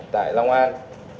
tại long an